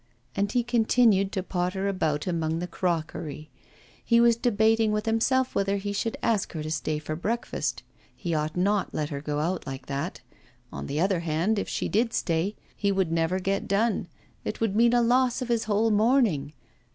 And he continued to potter about among the crockery. He was debating with himself whether he should ask her to stay to breakfast. He ought not to let her go like that. On the other hand, if she did stay, he would never get done; it would mean a loss of his whole morning.